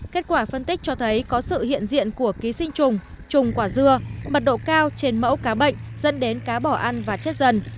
kết quả phân tích cho thấy có sự hiện diện của ký sinh trùng trùng quả dưa mật độ cao trên mẫu cá bệnh dẫn đến cá bỏ ăn và chết dần